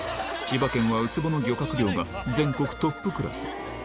千葉県はウツボの漁獲量が全国トップクラス。